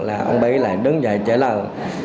là ông bảy lại đứng dậy trả lao